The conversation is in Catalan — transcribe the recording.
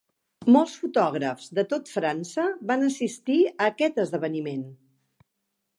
Molts fotògrafs de tot França van assistir a aquest esdeveniment.